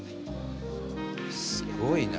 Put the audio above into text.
「すごいな」